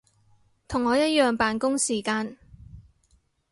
同我一樣扮工時間